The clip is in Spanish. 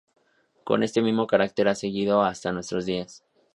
Con este mismo carácter ha seguido hasta nuestros días.